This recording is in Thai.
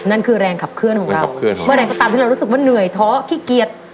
นั่นคือแรงขับเคลื่อนของเราเมื่อใดก็ตามที่เรารู้สึกว่าเหนื่อยท้อขี้เกียจ